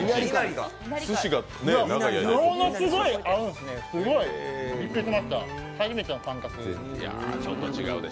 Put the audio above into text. ものすごい合うんですねすごいびっくりしました初めての感覚。